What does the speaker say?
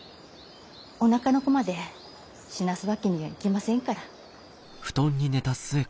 おなかの子まで死なすわけにはいきませんから。